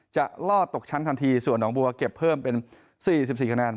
ล่อตกชั้นทันทีส่วนหนองบัวเก็บเพิ่มเป็น๔๔คะแนน